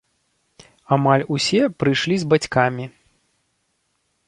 Амаль усе прыйшлі з бацькамі.